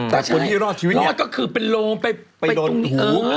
แต่คนที่รอดชีวิตรอดก็คือเป็นโรมไปตรงหู